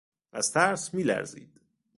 از ترس میلرزید.